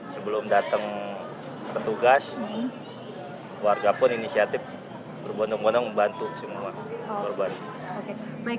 sebelum datang petugas warga pun inisiatif berbondong bondong membantu semua korban